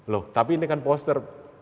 loh tapi ini kan poster